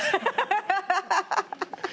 ハハハハハ。